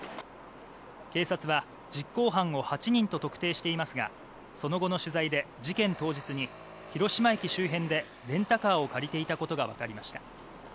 警察は、実行犯を８人と特定していますがその後の取材で、事件当日に広島駅周辺でレンタカーを借りていたことがわかりました。